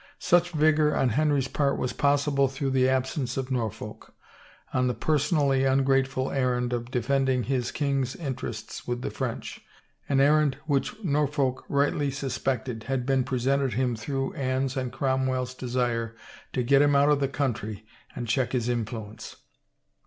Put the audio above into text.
Such vigor on Henry's part was possible through the absence of Norfolk — on the personally ungrateful errand of defending his king's interests with the French, an errand which Norfolk rightly suspected had been presented him through Anne's and Cromwell's desire to get him out of the country and check his influence.